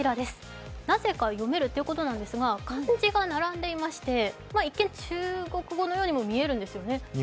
なぜか読めるということですが漢字が並んでいまして、一見、中国語のようにも見えるんですね。